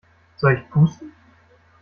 Soll ich pusten?